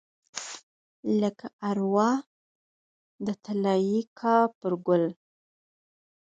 لکه اروا د طلايي کاپرګل